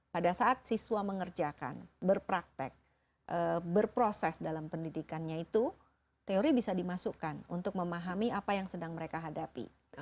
pada saat siswa mengerjakan berpraktek berproses dalam pendidikannya itu teori bisa dimasukkan untuk memahami apa yang sedang mereka hadapi